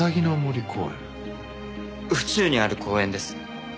府中にある公園です。